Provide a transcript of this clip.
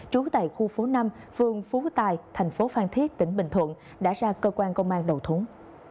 trú tại khu phố năm vườn phú tài tp phan thiết tỉnh bình thuận đã ra cơ quan công an đầu thống